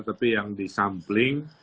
tapi yang di sampling